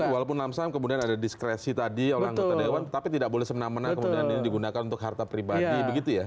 walaupun lamsam kemudian ada diskresi tadi oleh anggota dewan tetapi tidak boleh semena mena kemudian ini digunakan untuk harta pribadi begitu ya